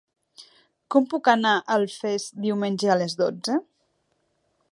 Com puc anar a Alfés diumenge a les dotze?